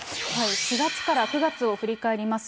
４月から９月を振り返ります。